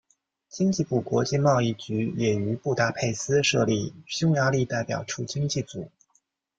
经济部国际贸易局也于布达佩斯设立驻匈牙利代表处经济组。